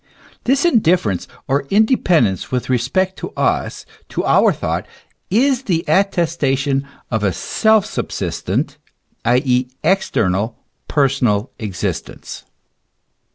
This indifference or independence with respect to us, to our thought, is the attestation of a self sub sistent, i.e., external, personal existence.